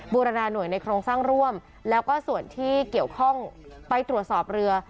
บูรณาหน่วยในโครงสร้างร่วมแล้วก็ส่วนที่เกี่ยวข้องไปตรวจสอบเรือ